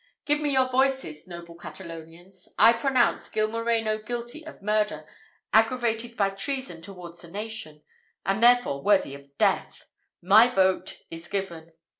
Give me your voices, noble Catalonians. I pronounce Gil Moreno guilty of murder, aggravated by treason towards the nation, and therefore worthy of death! My vote is given!"